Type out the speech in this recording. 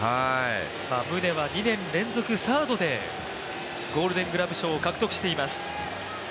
宗は２年連続サードで、ゴールデングラブ賞を獲得しています。